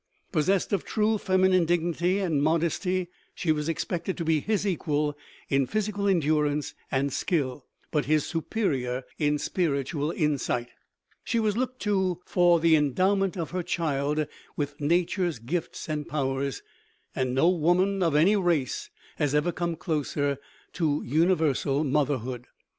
Possessed of true feminine dignity and modesty, she was expected to be his equal in physical endurance and skill, but his superior in spiritual insight. She was looked to for the endowment of her child with nature's gifts and powers, and no woman of any race has ever come closer to universal mother hood.